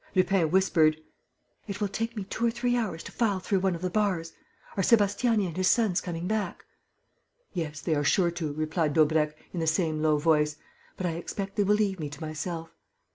Lupin whispered: "It will take me two or three hours to file through one of the bars. Are Sébastiani and his sons coming back?" "Yes, they are sure to," replied Daubrecq, in the same low voice, "but I expect they will leave me to myself."